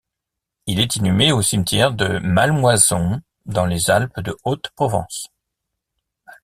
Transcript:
Il est inhumé au cimetière de Mallemoisson dans les Alpes-de-Haute-Provence.